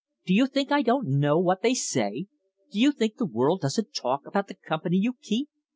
Do you think I don't know what they say? Do you think the world doesn't talk about the company you keep?